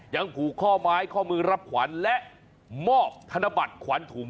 ยังผูกข้อไม้ข้อมือรับขวัญและมอบธนบัตรขวัญถุง